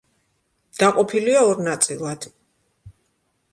დაყოფილია ორ ნაწილად.